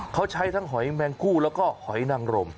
เขาใช้ทั้งหอยแมงคู่แล้วก็หอยนังรม